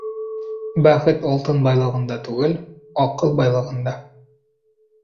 Бәхет алтын байлығында түгел, аҡыл байлығында.